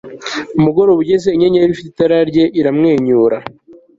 Umugoroba ugeze inyenyeri ifite itara rye iramwenyura